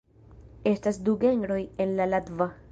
Estas du genroj en la latva.